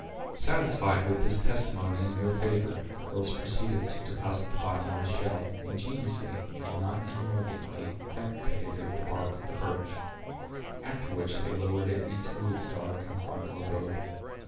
Satisfied with this testimony in their favor, the girls proceeded to deposit the body in a shell, ingeniously, and not inelegantly, fabricated of the bark of the birch; after which they lowered it into its dark and final abode.